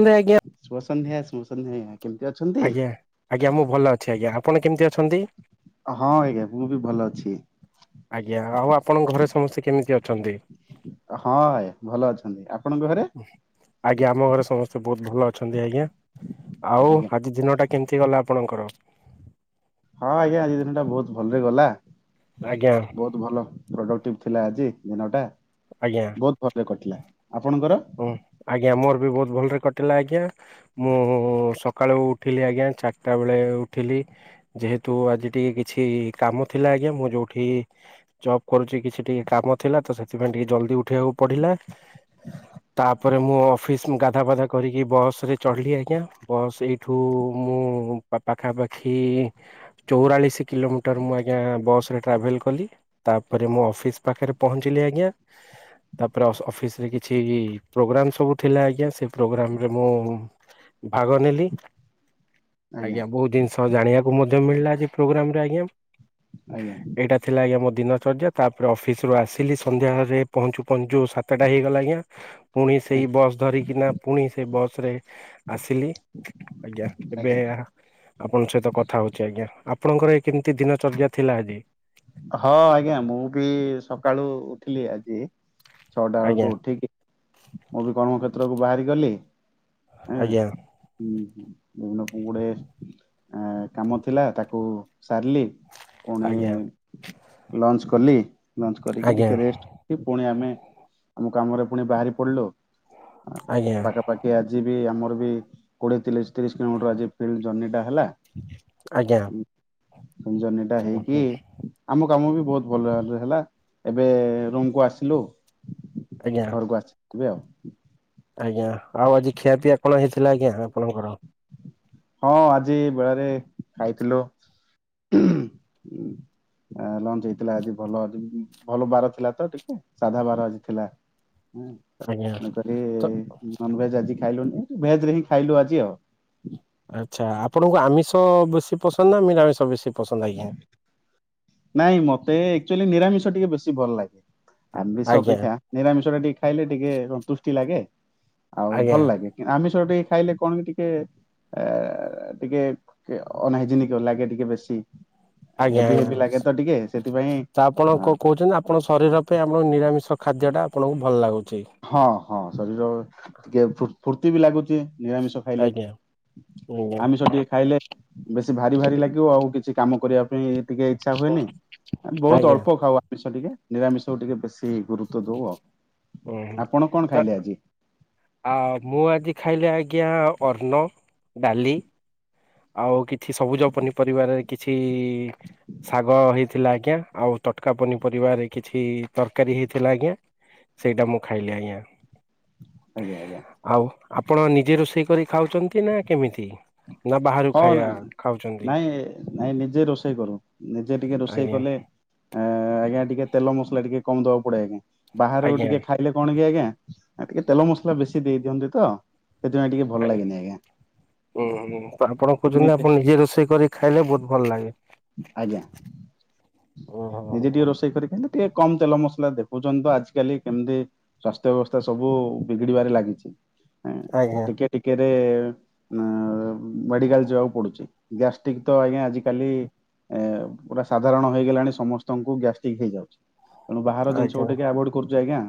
ନ୍ତୁ ଆଜ୍ଞା। ଶୁଭ ସନ୍ଧ୍ୟା! ସୁମ ସନ୍ଧ୍ୟା! କେମିତି ଅଛନ୍ତି? ଆଜ୍ଞା ଆଜ୍ଞା, ମୁଁ ଭଲ ଅଛି ଆଜ୍ଞା। ଆପଣ କେମିତି ଅଛନ୍ତି? ହଁ, ଆଜ୍ଞା ମୁୁ ବି ଭଲ ଅଛି। ଆଜ୍ଞା, ଆଉ ଆପଣଙ୍କ ଘରେ ସମସ୍ତେ କେମିତି ଅଛନ୍ତି? ହଁ, ଆୟା ଭଲ ଅଛନ୍ତି। ଆପ୍ ଆଜ୍ଞା, ଆମ ଘରେ ସମସ୍ତେ ବହୁତ ଭଲ ଅଛନ୍ତି ଆଜ୍ଞା। ଆଉ ଆଜ୍ଞା ଆଜି ଦିନଟା କେମିତି ଗଲା ଆପଣଙ୍କର? ହଁ, ଆଜ୍ଞା ଆଜି ଦିନ ଟା ବହୁତ ଭଲରେ ଗଲା। ଆଜ୍ଞା ବହୁତ ଭଲ ପ୍ରଡକ୍ଟିଭ ଥିଲା ଆଜି ଦିନ ଟା, ଆଜ୍ଞା ବହୁତ ଭଲରେ କଟିଲା। ଆପଣଙ୍କର ହୁଁ, ଆଜ୍ଞା ମୋର ବି ବହୁତ ଭଲରେ କଟିଲା ଆଜ୍ଞା। ମୁଁ ସକାଳୁ ଉଠିଲି ଆଜ୍ଞା ଚାରିଟା ବେଳେ ଉଠିଲି। ଯେହେତୁ ଆଜି ଟିକେ କିଛି କାମ ଥିଲା ଆଜ୍ଞା। ମୁଁ ଯୋଉଠି ଜବ କରୁଛି କିଛି ଟିକେ କାମ ଥିଲା ତ ସେଥିପାଇଁ ଟିକେ ଜଲଦି ଉଠିବାକୁ ପଡିଲା। ତାପରେ, ମୁଁ ଅଫିସ ଗାଧା ପାଧା କରିକି ବସ ରେ ଚଢିଲି ଆଜ୍ଞା। ବସ୍ ଏଇଠୁ ମୁଁ ମୁଁ ପାଖାପାଖି ଚଉରାଳିଶ କିଲୋମିଟର, ମୁଁ ଆଜ୍ଞା ବସରେ ଟ୍ରାଭେଲ୍ କଲି। ତାପରେ, ମୁଁ ଅଫିସ ପାଖରେ ପହଞ୍ଚିଲି ଆଜ୍ଞା। ତାପରେ ଅଫିସ ରେ କିଛି ପ୍ରୋଗ୍ରାମ ସବୁ ଥିଲା ଆଜ୍ଞା। ସେ ପ୍ରୋଗ୍ରାମ୍ ରେ ମୁଁ ଭାଗ ନେଲି। ଆଜ୍ଞା, ବହୁତ ଜିନିଷ ଜାଣିବାକୁ ମଧ୍ୟ ମିଳିଲା। ପ୍ରୋଗ୍ରାମ ରେ ଆଜ୍ଞା। ଆଜ୍ଞା ଏଇଟା ଥିଲା ଆଜ୍ଞା ମ ଦିନଚର୍ଯ୍ୟା। ତାପରେ ଅଫିରୁ ଆସିଲି ସନ୍ଧ୍ୟାରେ ପହଞ୍ଚୁ ପହଞ୍ଚୁ, ସାତଟା ହେଇଗଲା। ଆଜ୍ଞା, ପୁଣି ସେଇ ବସ୍ ଧରିକିନା ପୁଣି ସେ ବସ ରେ ଆସିଲି। ଆଜ୍ଞା! ଏବେ ଆପଣଙ୍କ ସହିତ କଥା ହଉଛି ଆଜ୍ଞା। ଆପଣଙ୍କର ଏ କେମିତି ଦିନ ଚର୍ଯ୍ୟା ଥିଲା ଆଜି? ହଁ ଆଜ୍ଞା, ମୁଁ ବି ସକାଳୁ ଉଠିଲି ଆଜି। ଛଅଟା ଆଜ୍ଞା ଅଳକୁ ଉଠିକି, ମୁଁ ବି କର୍ମକ୍ଷେତ୍ରକୁ ବାହାରିଗଲି। ଆଜ୍ଞା। [unintelligible] ଗୁଡେ-ଏଁ କାମ ଥିଲା ତାକୁ ସାରିଲି। ଆଜ୍ଞା। ପୁଣି ଲଞ୍ଚ କଲି। ଲଞ୍ଚ କରିକି! ଆଜ୍ଞା ଟିକେରେଷ୍ଟ କି ପୁଣି ଆମେ ଆମ କାମରେ ପୁଣି ବାହାରି ପଡିଲୁ। ଆଜ୍ଞା ପାଖାପାଖି ଆଜି ବି ଆମର ବି କୋଡଏ ଥିଲେ। ତିରିଶ କିଲୋମିଟର ଆଜି ଫିଲ୍ଡ ଜର୍ଣ୍ଣିି ଟା ହେଲା। ଆଜ୍ଞା ଜର୍ଣ୍ଣି ଓ ହୋ ହେଇକି। ଆମ କାମ ବି ବହୁତ ଭଲ ହେଲା ଏବେ ରୁମକୁୁ ଆସିଲୁ। ଆଜ୍ଞା ଘରକୁ ଆସିିବ ଆଉ। ଆଜ୍ଞା ଆଉ ଆଜି ଖିଆପିଆ କଣ ହେଇଥିଲା ଆଜ୍ଞା ଆପଣଙ୍କର। ହଁ ଆଜି ବେଳାରେ ଖାଇଥିଲୁ। [inaudible] ଲଞ୍ଚ ହେଇଥିଲା ଆଜି ଭଲ ଭଲ ବାର ଥିଲା ତ ଟିକେ ସାଧା ବାର ଆଜି ଥିଲ ଆଜ୍ଞା ତେଣୁକରି ତ ନନଭେଜ ଆଜି ଖାଇଲୁନି ଭେଜ ରେ ହିଁ ଖାଇଲୁ ଆଜି ଆଉ। ଆଚ୍ଛା ଆପଣଙ୍କୁ ଆମିଷ ବେଶୀ ପସନ୍ଦ ନା ନିରାମିଷ ବେଶୀ ପସନ୍ଦ ଆଜ୍ଞା। ନାଇଁ ମତେ ଆଚୁଆଲି ନିରାମିଷ ଟିକେ ବେଶୀ ଭଲ ଲାଗେ। ଆମିଷ ଆଜ୍ଞା ଅପେକ୍ଷା ନିରାମିଷ ଟା ଟିକେ ଖାଇଲେ ଟିକେ ସନ୍ତୁଷ୍ଟି ଲାଗେ। ଆଉ ଆଜ୍ଞା ଭଲ ଲାଗେ ଆମିଷ ଟିକେ ଖାଇଲେ କଣ କି ଟିକେ। ଏ ଟିକେ ଅନହିଜିିନ କ ଲାଗେ ଟିକେ ବେଶି। ଆଜ୍ଞା ଆଜ୍ଞା। ସେଥିପାଇଁ ତ ଆପଣ ଅ, କଣ କହୁଛନ୍ତି ଆପଣ ଶରୀର ପାଇଁ ଆପଣ ନିରାମିଷ ଖାଦ୍ୟ ଟା ଆପଣଙ୍କୁ ଭଲ ଲାଗୁଛି। ହଁ ହଁ ଶରୀର ଟିକେ ଫୁର୍ତ୍ତି ବି ଲାଗୁଛି। ନିରାମିଷ ଖାଇଲେ ଆଜ୍ଞା ଆଜ୍ଞା ଆମିଷ ଟିକେ ଖାଇଲେ ବେଶୀ ଭାରି ଭାରି ଲାଗିବ ଆଉ କିଛି। କାମ କରିବା ପାଇଁ ଟିକେ ଇଚ୍ଛା ହୁଏନି ବହୁତ ଆଜ୍ଞା ଅଳ୍ପ ଖାଉ ଆମିଷ ଟିକେ। ନିରାମିଷକୁ ଟିକେ ବେଶୀ ଗୁରୁତ୍ଵ ଦଉ ଆଉ। ଓ ହୋ ଆପଣ କଣ ତ ଖାଇଲେ ଆଜି? ଆଉ ମୁଁ ଆଜି ଖାଇଲେ ଆ ଆଜ୍ଞା ଅନ୍ନ ଡାଲି। ଆଉ କିଛି ସବୁଜ ପନିପରିବାରରେ କିଛି ଶାଗ ହେଇଥିଲା ଆଜ୍ଞା ଆଉ ତଟକା ପନିପରିବାରେ କିଛି ତରକାରୀ ହେଇଥିଲା ଆଜ୍ଞା। ସେଇଟା ମୁଁ ଖାଇଲି ଆଜ୍ଞା। ଆଜ୍ଞା ଆଜ୍ଞା। ଆଉ ଆପଣ ନିଜେ ରୋଷେଇ କରି ଖାଉଛନ୍ତି ନା କେମିତି ନା ବାହାରାରୁକୁ ହଁ ନା ଖାଇବା ଖାଉ। ନାଇଁ ନାଇଁ ନିଜେ ରୋଷେଇ କରୁ ନିଜେ ଟିକେ ରୋଷେଇ ଆଜ୍ଞା କଲେ ଆ ଆଜ୍ଞା ଟିକେ। ଟିକେ ତେଲ ମସଲା ଟିକେ କମ ଦବା ପଡେ ଆଜ୍ଞା ବାହାରାରୁ ଆଜ୍ଞା ଟିକେ ଖାଇଲେ କଣ କି ଆଜ୍ଞା। ଟିକେ ତେଲ ମସଲା ବେଶୀ ଦେଇ ଦିଅନ୍ତି ତ। ସେଥିପାଇଁ ଟିକେ ଭଲ ଲାଗନି ଆଜ୍ଞା। ହୁଁ ହୁଁ ଆପଣ କହୁଛନ୍ତି ଆପଣ ନିଜେ ରୋଷେଇ କରି ଖାଇଲେ ବହୁତ ଭଲ ଲାଗେ। ଆଜ୍ଞା ଓ ହୋ ନିଜେ ହ ଟିକେ ହ। ରୋଷେଇ କରି ଖାଇଲେ ଟିକେ କମ ତେଲ ମସଲା ଦେଖୁଛନ୍ତି ତ ଆଜିକାଲି କେମିତି ସ୍ୱାସ୍ଥ୍ୟ ବ୍ୟବସ୍ଥା ସବୁ ବିଗିଡିବାରେ ଲାଗିଛି। ଆଜ୍ଞା ଟିକେ ଟିକେରେ। ମେଡିକାଲ ଯିବାକୁ ପଡୁଛି ଗ୍ୟାଷ୍ଟ୍ରିକ ତ ଆଜ୍ଞା ଆଜିକାଲି। ଏ ପୁରା ସାଧାରଣ ହେଇଗଲାଣି ସମସ୍ତଙ୍କୁ ଗ୍ୟାଷ୍ଟ୍ରିକ ହେଇଯାଉଛି। ତଣୁ ବାହାର ଜିନଷ ଆଜ୍ଞା କୁ ଟିକେ ଆଭୋଡ କରୁଛ ଆଜ୍ଞା।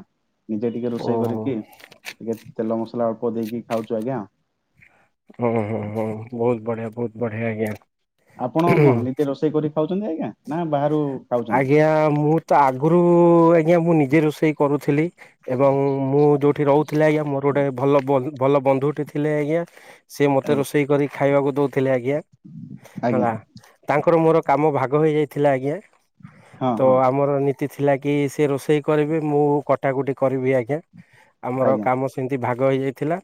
ନିଜେ ଟିକେ ରୋଷେଇ ଓହୋ। କରିକି ଟିକେ ତେଲ ମସଲା ଅଳ୍ପ ଦେଇକି ଖାଉଛୁ ଆଜ୍ଞା। ଓ ହୋ। ବହୁତ ବଢିଆ ବହୁତ ବଢ଼ିଆ ଆଜ୍ଞା। ଆପଣ କଣ ନିଜେ ରୋଷେଇ କରି ଖାଉଛନ୍ତି ଆଜ୍ଞା ନା ବାହାରୁ। ଖାଉଛନ୍ତି? ଆଜ୍ଞା ମୁଁ ତ ଆଗରୁ ଆଜ୍ଞା ମୁଁ ନିଜେ ରୋଷେଇ କରୁଥିଲି ଏବଂ ମୁଁ। ମୁଁ ଯେଉଁଠି ରହୁଥିଲ ଆଜ୍ଞା ମୋର ଗୋଟେ ଭଲ। ଭଲ ବନ୍ଧୁଟି ଥିଲେ ଆଜ୍ଞା ସିଏ ମୋତେ ଆଜ୍ଞା ରୋଷେଇ କରି ଖାଇବାକୁ ଦଉ ଥିଲେ ଆଜ୍ଞା ଆଜ୍ଞା ହେଲା ତାଙ୍କର ମୋର କାମ ଭାଗ ହେଇଯାଇଥିଲା ଆଜ୍ଞା। ହଁ ତ ହଁ ଆମର ନୀତି ଥିଲା କି ସେ ରୋଷେଇ କରିବେ ମୁଁ କଟାକଟି କରିବି ଆଜ୍ଞା। ଆମର ଆଜ୍ଞା କାମ ସେମିତି ଭାଗ ହେଇଯାଇଥିଲା।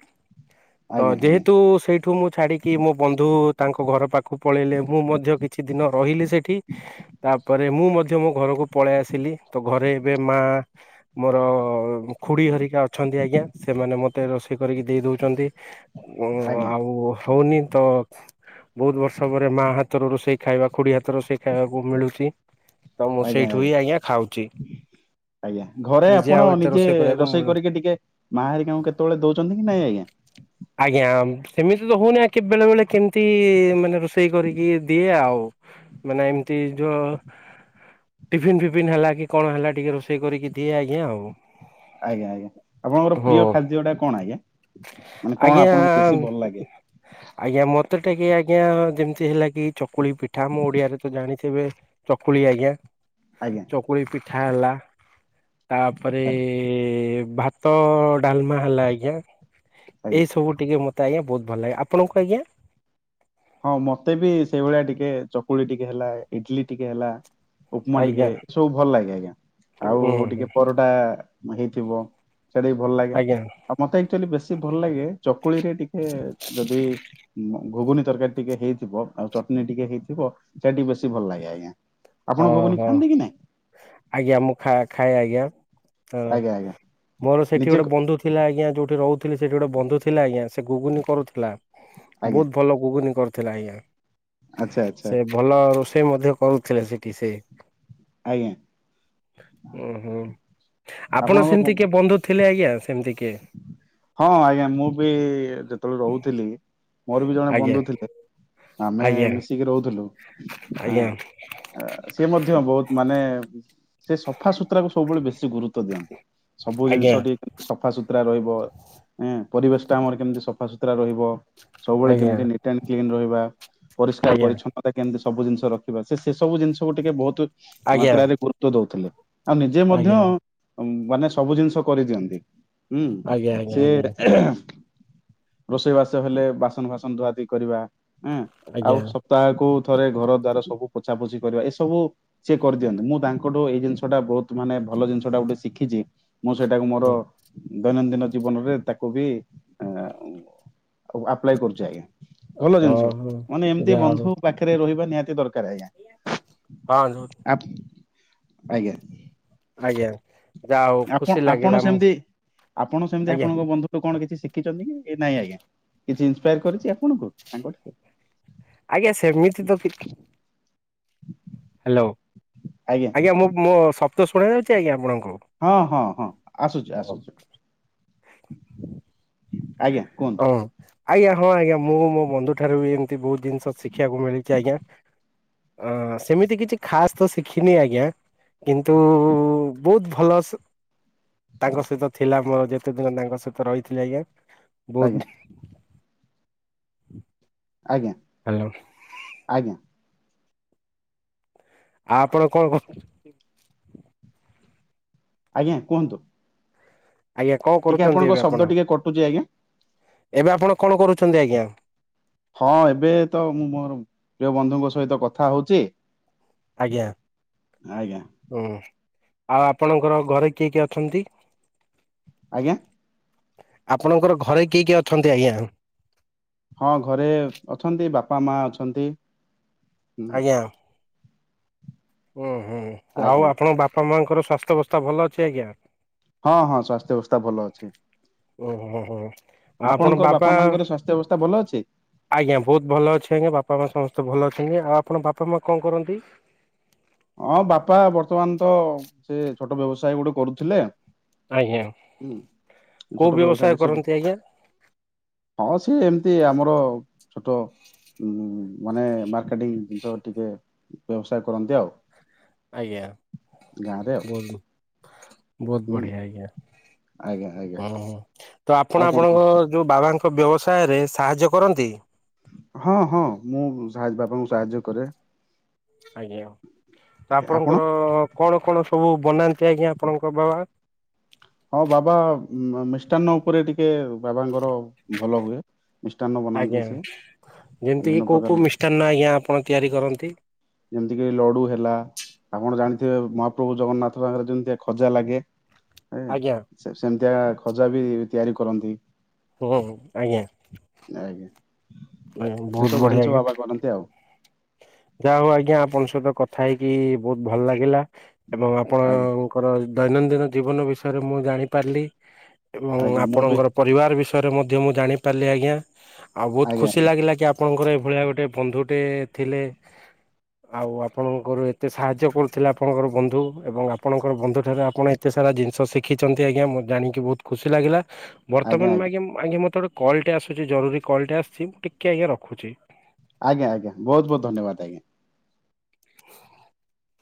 ତ ଆଜ୍ଞା ଆଜ୍ଞା ଯେହେତୁ ସେଇଠୁ ମୁଁ ଛାଡ଼ିକି ମୋ ବନ୍ଧୁ ତାଙ୍କ ଘର ପାଖକୁ ପଳେଇଲେ। ମୁଁ ମଧ୍ୟ କିଛି ଦିନ ରହିଲି ସେଠି। ତାପରେ ମୁଁ ମଧ୍ୟ ମୋ ଘରକୁ ପଳେଇ ଆସିଲି। ତ ଘରେ ଏବେ ମା ମୋର ମୋ ଖୁଡି ହରିକା ଅଛନ୍ତି। ଆଜ୍ଞା ସେମାନେ ମୋତେ ରୋଷେଇ କରିକି ଦେଇ ଦଉଛନ୍ତି। ଆଜ୍ଞା ଆଉ ହଉନି ତ ବହୁତ ବର୍ଷ ପରେ ମା ହାତ ର ରୋଷେଇ ଖାଇବା ଖୁଡି ହାତର ରୋଷେଇ ଖାଇବାକୁ ମିଳୁଚି। ତ ମୁଁ ସେଇଠୁ ହିଁ ଆଜ୍ଞା ଖାଉଚି। ଆଜ୍ଞା, ଘରେ ଆପଣ ନିଜେ କରିବାକୁ ରୋଷେଇ ମିଳୁନି। କରିକି ଟିକେ ମା ହେରିକାଙ୍କୁ କେତେବେଳେ ଦଉଚନ୍ତି କି ନାଇଁ ଆଜ୍ଞା? ଆଜ୍ଞା, ଆମ ସେମିତି ତ ହଉନି ଆ, କେ-ବେଳେ ବେଳେ କେମିତି ମାନେ ରୋଷେଇ କରିକି ଦିଏ ଆଉ। ମାନେ ଏମିତି ଯୋ ଟିଫିନ ଫିଫିନ ହେଲା କି କଣ ହେଲା ଟିକେ ରୋଷେଇ କରିକି ଦିଏ ଆଜ୍ଞା ଆଉ। ଆଜ୍ଞା, ଆଜ୍ଞା ଆପଣଙ୍କର ହୁଁ ପ୍ରିୟ ଖାଦ୍ୟ ଟା କଣ ଆଜ୍ଞା? ମାନେ କଣ ଆପଣଙ୍କୁ ଆଜ୍ଞା ବେଶୀ ଭଲ ଲାଗେ? ଆଜ୍ଞା ମୋତେ ଟିକେ ଆଜ୍ଞା ଯେମିତି ହେଲା କି ଚକୁଳି ପିଠା ଆମ ଓଡିଆରେ ଆଣିଥିବେ ଚକୁଳି ଆଜ୍ଞା। ଆଜ୍ଞା ଚକୁଳି ପିଠା ହେଲା। ତାପରେ ଆଜ୍ଞା ଭା ତ ଡାଲମା ହେଲା ଆଜ୍ଞା ଏ ଆଜ୍ଞା। ସବୁ ଟିକେ ମୋତ ତେ ଆଜ୍ଞା ବହୁତ ଭଲ ଲାଗେ। ଆପଣଙ୍କୁ ଆଜ୍ଞା? ହଁ ମୋତେ ବି ସେଇ ଭଳିଆ ଟିକେ ଚକୁଳି ଟିକେ ହେଲା, ଇଟିଲି ଟିକେ ହେଲା। ଉପମା ଟିକେ ଆଜ୍ଞା ସବୁ ଭଲ ଲାଗେ। ଆଜ୍ଞା ଆଉ ଉୁଁ ଟିକେ ହୁଁ ପରଟା ହେଇଥିବ। ସେଟା ବି ଭଲ ଲାଗେ। ଆଜ୍ଞା ଆଉ ମୋତେ‌‌ ଏକ୍ଚୁଲି ବେଶୀ ଭଲ ଲାଗେ ଚକୁଳି ରେ ଟିକେ ଯଦି ଘୁଗୁନି ତରକାରୀ ଟିକେ ହେଇଥିବ, ଆଉ ଚଟଣୀ ଟିକେ ହେଇଥିବ ସେ ଟିକେ ବେଶୀ ଭଲ ଲାଗେ ଆଜ୍ଞା। ଆପଣ ଘୁଗୁନି ଓହୋ! ଖାଆନ୍ତି କି ନାଇଁ ଆଜ୍ଞା ମୁଁ ଖା ଖାଏ ଆଜ୍ଞା ଅ, ଆଜ୍ଞା ଆଜ୍ଞା ମୋର ସେଠି ନିଜେ ଗୋଟେ କ- ବନ୍ଧୁ ଥିଲା ଆଜ୍ଞା। ଯୋଉଠି ରହୁ ଥିଲି ସେଠି ଗୋଟେ ବନ୍ଧୁ ଥିଲା ଆଜ୍ଞା। ସେ ଗୁଗୁନି କରୁଥିଲା। ଆଜ୍ଞା ବହୁତ ଭଲ ଗୁଗୁନି କରୁଥିଲା ଆଜ୍ଞା। ଆଚ୍ଛା ଆଚ୍ଛା ସେ ଭଲ ରୋଷେଇ ମଧ୍ୟ କରୁଥିଲେ ସେଠି ସେ। ଆଜ୍ଞା ଓ ହୋ, ଆପଣ ଆପଣଙ୍କ ସେମିତି କିଏ ବନ୍ଧୁ ଥିଲେ? ଆଜ୍ଞା ସେମିତି କିଏ? ହଁ ଆଜ୍ଞା ମୁଁ ବି ଯେତେବେଳେ ରହୁଥିଲି ମୋର ବି ଜଣେ ଆଜ୍ଞା ବନ୍ଧୁ ଥିଲେ ଆମେ ଆଜ୍ଞା ମିଶିକି ରହୁଥିଲୁ। ଆଁ, ଆଜ୍ଞା ଅ, ସିଏ ମଧ୍ୟ ବହୁତ ମାନେ ସେ ସଫା ସୁୁତୁରା କୁ ସବୁବେଳେ ବେଶୀ ସେ ଗୁରୁତ୍ୱ ଦିଅନ୍ତି। ସବୁ ଜିନିଷ ଟିକେ [inaudible] ସଫା ସୁତରା ରହିବ। ଏଁ ପରିବେଶ ଟା ଆମର କେମିତି ସଫାସତୁରା ରହିବ। ସବୁବେଳେ ଆଜ୍ଞା କେମିତି ନିଟ୍ ଆଣ୍ଡ କ୍ଲିନ୍ ରହିବା। ପରିଷ୍କାର ଆଜ୍ଞା ପରିଚ୍ଛନ୍ନତା କେମିତି ସବୁ ଜିନିଷ ରଖିବା। ସେ ସେ ସବୁ ଜିନିଷକୁ ଟିକେ ବହୁତ ଆଜ୍ଞା ଆଜ୍ଞା। ମାତ୍ରାରେ ଗୁରୁତ୍ୱ ଦଉଥିଲେ। ଆଉ ନିଜେ ମଧ୍ୟ ଆଜ୍ଞା ମାନେ ସବୁ ଜିନିଷ କରିଦିଅନ୍ତି। ହୁଁ, ଆଜ୍ଞା ସେ ଆଜ୍ଞା ଆଜ୍ଞା ରୋଷେଇ ବାସ ହେଲେ ବାସନ ଫାସନ ଧୁଆ ଧୁଇ କରିବା। ଏଁ ଆଉ ଆଜ୍ଞା ସପ୍ତାହକୁ ଥରେ ଘର ଦ୍ଵାର ସବୁ ପୋଛା ପୋଛି କରିବା। ଏ ସବୁ ସିଏ କରିଦିଅନ୍ତି। ମୁଁ ତାଙ୍କଠୁ ଏଇ ଜିନିଷଟା ବହୁତ ମାନେ ଭଲ ଜିନିଷଟା ଗୋଟେ ଶିଖିଛି। ମୁଁ ସେଇଟାକୁ ମୋର ଦୈନନ୍ଦିନ ଜୀବନରେ ତାକୁ ବି ଏଁ, ଓ, ଆପ୍ଲାଏ କରୁଛି ଆଜ୍ଞା। ଭଲ ହଁ ଜିନିଷ ହଁ। ମାନେ ଏମିତି ଯାହା ହଉ ବନ୍ଧୁ ପାଖରେ ରହିବା ନିହାତି ଦରକ କାର ଆଜ୍ଞା ହଁ ଆପ୍ ଆଜ୍ଞା ଜ୍ଞା ଆପ ଆପଣ ସେମତି ଆପଣ ସେମିତି ଆଜ୍ଞା ଆପଣଙ୍କ ବନ୍ଧୁ କଣ କିଛି ଛି ଶିଖିଚନ୍ତି କି ଏ ନାଇଁ ଆଜ୍ଞା କିଛି ଇନ୍ସିପାୟାର୍ କରିଚି ଆପଣଙ୍କୁ ତାଙ୍କ ଠାରୁ? ଆଜ୍ଞା ସେମିତି ତ କି ହ ହ୍ୟାଲୋ, ଆଜ୍ଞା ମୁଁ ମୋ ଶବ୍ଦ ଶୁଣ ଯାଉଚି ଆଜ୍ଞା ଆପଣ ହଁ, ହଁ, ହଁ ଆସୁଚୁ, ଆସୁଚୁ। ଆଜ୍ଞା, କୁହନ୍ତୁ? ଆଜ୍ଞା, ହଁ ଆଜ୍ଞା, ମୁଁ ମୋ ବନ୍ଧୁ ଠାରୁ ବି ଏମିତି ବହୁତ ଜିନିଷ ଶିଖିବାକୁ ମିଳିଛି ଆଜ୍ଞା। ଅ ସେମିତି କିଛି ଖାସ୍ ତ ଶିଖିନି। ଆଜ୍ଞା, କିନ୍ତୁ ବହୁତ ଭଲସ ତାଙ୍କ ସହିତ ଥିଲା ମୋର ଯେତେ ଦିନ ତାଙ୍କ ସହିତ ରହିଥିଲି ଆଜ୍ଞା। ଆଜ୍ଞା ବହୁତ ଆଜ୍ଞା, ଆଉ ଆଜ୍ଞା, ଆଉ ଆପଣ କଣ କ ଆଜ୍ଞା, କୁହନ୍ତୁ। ଆଜ୍ଞା କଣ ଟିକେ କରୁଛନ୍ତି ଆପଣଙ୍କ ଏବେ ଶବ୍ଦ ଆପଣ? ଟିକେ କଟୁଛି ଆଜ୍ଞା ଏବେ ଆପଣ କଣ କରୁଛନ୍ତି ଆଜ୍ଞା? ହଁ, ଏବେ ତ ମୁଁ ମୋର ପ୍ରିୟ ବନ୍ଧୁଙ୍କ ସହିତ କଥା ହଉଛି। ଆଜ୍ଞା ଆଜ୍ଞା ହୁଁ। ଆଉ ଆପଣଙ୍କର ଘରେ କିଏ କିଏ ଅଛନ୍ତି। ଆଜ୍ଞା। ଆପଣଙ୍କର ଘରେ କିଏ କିଏ ଅଛନ୍ତି ଆଜ୍ଞା? ହଁ, ଘରେ ଅଛନ୍ତି। ବାପା, ମା ଅଛନ୍ତି। ହୁଁ ଆଜ୍ଞା। ହୁଁ, ହୁଁ, ଆଉ ଆଜ୍ଞା ଆପଣଙ୍କ ବାପା ମାଙ୍କର ସ୍ୱାସ୍ଥ୍ୟ ଅବସ୍ଥା ଭଲ ଅଛି ଆଜ୍ଞା? ହଁ ହଁ ସ୍ୱାସ୍ଥ୍ୟ ବ୍ୟବସ୍ଥା ଭଲ ଅଛି ଓ ହୋ ହୋ ଆଉ ଆପଣ ଆପଣଙ୍କ! ବାବା ବାପା ମାଙ୍କର ସ୍ବାସ୍ଥ୍ୟ ଅବସ୍ଥା ଭଲ ଅଛି? ଆଜ୍ଞା, ବହୁତ ଭଲ ଅଛି ଆୟାଁ। ବାପା ମା ସମସ୍ତେ ଭଲ ଅଛନ୍ତି। ଆଉ ଆପଣ ବାପା ମା କଣ କରନ୍ତି? ହଁ, ବାପା ବର୍ତ୍ତମାନ ତ ସେ ଛୋଟ ବ୍ୟବସାୟ ଗୁଟେ କରୁଥୁଲେ। ଆଜ୍ଞା ହୁଁ, କୋଉ ଛୋଟ ବ୍ୟବସାୟ ବ୍ୟବସାୟଠି ସବୁ କରନ୍ତି ଆଜ୍ଞା ହଁ, ସିଏ ଏମତି ଆମର ଛୋଟ ମାନେ ମାର୍କେଟିଂ ଜିନିଷ ଟିକେ ବ୍ୟବସାୟ କରନ୍ତି ଆଉ। ଆଜ୍ଞା, ଗାଁରେ ଆଉ। ବହୁତ ବହୁତ ହୁଁ ବଢିଆ ଆଜ୍ଞା। ଆଜ୍ଞା ଆଜ୍ଞା। ଓହୋ ତ ଆପଣ ଆଉ କଣ କୁହ? ଆପଣଙ୍କ! ଯୋଉ ବାବାଙ୍କ ବ୍ୟବସାୟରେ ସାହାଯ୍ୟ କରନ୍ତି? ହଁ, ହଁ, ମୁଁ ସା ବାପାଙ୍କୁ ସାହାଯ୍ୟ କରେ। ଆଜ୍ଞା, ତ ଆପଣ? ଆପଣଙ୍କର କଣ? କଣ ସବୁ ବନାନ୍ତି, ଆଜ୍ଞା ଆପଣଙ୍କ ବାବା? ହଁ, ବାବା ମିଷ୍ଟାନ୍ନ ଉପରେ ଟିକେ ବାବାଙ୍କର ଭଲ ହୁଏ। ମିଷ୍ଟାନ୍ନ ଆଜ୍ଞା ବନାନ୍ତି ସିଏ। ଯେମିତି କିି ବିଭିନ୍ନ କୋଉ ପ୍ରକାର କୋଉ ମିଷ୍ଟାନ୍ନ ଆଜ୍ଞା ଆପଣ ତିଆରି କରନ୍ତି? ଯେମିତି କି ଲଡୁ ହେଲା, ଆପଣ ଜାଣିଥିବେ ମହାପ୍ରଭୁ ଜଗନ୍ନାଥଙ୍କ ପାଖରେ ଯେମିତିଆ ଖଜା ଲାଗେ ଏ ଆଜ୍ଞା ସେମ ସେମିତିଆ ଖଜା ବି ତିଆରି କରନ୍ତି। ହଁ, ଆୟାଁ। ଆଜ୍ଞା ସେ ବହୁତ ସବୁ ଜିନିଷ ବଢିଆ ଆଜ୍ଞା। ବାବା କରନ୍ତି ଆଉ ଯାହା ହଉ ଆଜ୍ଞା, ଆପଣଙ୍କ ସହିତ କଥା ହେଇକି ବହୁତ ଭଲ ଲାଗିଲା। ଏବଂ ଆଜ୍ଞା। ଆପଣଙ୍କର ଦୈନନ୍ଦିନ ଜୀବନ ବିଷୟରେ ମୁଁ ଜାଣି ପାରିଲି। ଏବଂ ଆଜ୍ଞା ମୁଁ ବି ଆପଣଙ୍କର ପରିବାର ବିଷୟରେ ମଧ୍ୟ ମୁଁ ଜାଣିପାରିଲି ଆଜ୍ଞା। ଆଉ ବହୁତ ଆଜ୍ଞା ଖୁସି ଆଜ୍ଞା ଲାଗିଲା କି ଆପଣଙ୍କର ଏଇଭଳିଆ ଗୋଟେ ବନ୍ଧୁଟେ ଥିଲେ। ଆଉ ଆପଣଙ୍କର ଏତେ ସାହାଯ୍ୟ କରୁଥିଲେ, ଆପଣଙ୍କର ବନ୍ଧୁ ଏବଂ ଆପଣଙ୍କର ବନ୍ଧୁ ଠାରୁ ଆପଣ ଏତେ ସା ରା ଜିନିଷ ଶିଖିଛନ୍ତି ଆଜ୍ଞା। ମୁଁ ଜାଣିକି ବହୁତ ଖୁସି ଲାଗିଲା। ବର୍ତ୍ତମାନ, ଆଜ୍ଞା ଆଜ୍ଞା ମତେ ଗୋଟେ କ କଲ୍ଟେ ଆସୁଛି! ଜରୁରୀ କଲ୍ଟେ ଆସିଛି। ମୁଁ ଟିକିଏ ଆଜ୍ଞା ରଖୁଛି। ଆଜ୍ଞା ଆଜ୍ଞା, ବହୁତ ବହୁତ ଧନ୍ୟବାଦ ଆଜ୍ଞା। ଓ